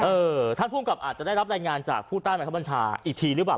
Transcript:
ท่านภูมิกับอาจจะได้รับรายงานจากผู้ใต้บังคับบัญชาอีกทีหรือเปล่า